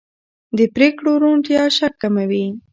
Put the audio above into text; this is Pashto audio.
د پرېکړو روڼتیا شک کموي